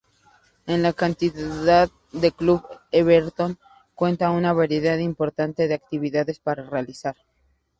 En la actualidad el Club Everton cuenta una variedad importante de actividades para realizar.